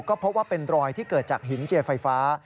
ก็พบว่าเป็นรอยที่เกิดจากหินเจไฟฟ้า